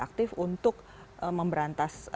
aktif untuk memberantas